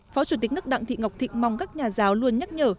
phó chủ tịch nước đặng thị ngọc thịnh mong các nhà giáo luôn nhắc nhở